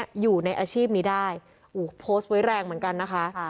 อยู่ในอาชีพนี้ได้โพสต์ไว้แรงเหมือนกันนะคะ